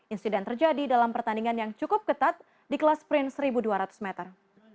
insiden terjadi dalam pertandingan yang cukup ketat di kelas sprint satu dua ratus meter